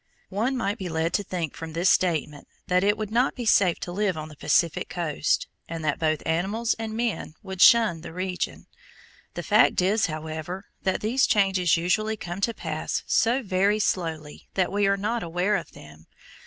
One might be led to think from this statement that it would not be safe to live on the Pacific coast, and that both animals and men would shun the region. The fact is, however, that these changes usually come to pass so very slowly that we are not aware of them.